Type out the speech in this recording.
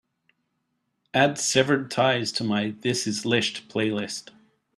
Add severed ties to my this is liszt playlist.